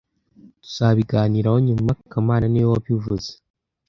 Tuzabiganiraho nyuma kamana niwe wabivuze